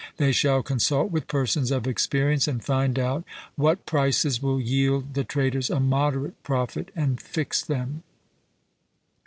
They shall consult with persons of experience, and find out what prices will yield the traders a moderate profit, and fix them.